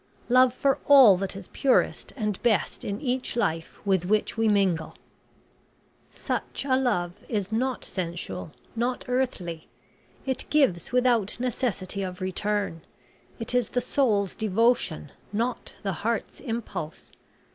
Love for all that is purest and best in each life with which we mingle. Such a love is not sensual not earthly. It gives without necessity of return; it is the soul's devotion, not the heart's impulse.